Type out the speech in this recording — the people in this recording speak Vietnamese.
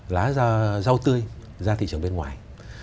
lá rau tươi ra thị trường bên ngoài